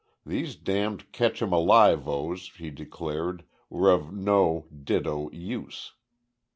These damned Catch em alive ohs, he declared, were of no ditto use.